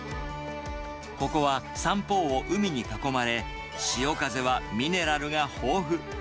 ここは三方を海に囲まれ、潮風はミネラルが豊富。